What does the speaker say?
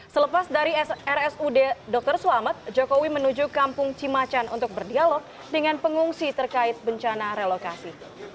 selepas dari rsud dr sulamet jokowi menuju kampung cimacan untuk berdialog dengan pengungsi terkait bencana relokasi